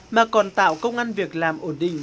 mà còn tạo công an việc làm ổn định